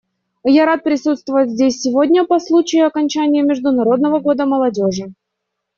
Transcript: Я рад присутствовать здесь сегодня по случаю окончания Международного года молодежи.